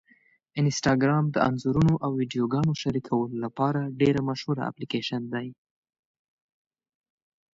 انسټاګرام د انځورونو او ویډیوګانو شریکولو لپاره ډېره مشهوره اپلیکېشن ده.